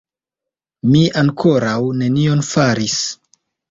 Mi ankoraŭ nenion faris